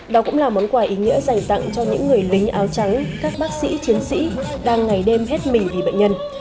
đó cũng là món quà ý nghĩa dành tặng cho những người lính áo trắng các bác sĩ chiến sĩ đang ngày đêm hết mình vì bệnh nhân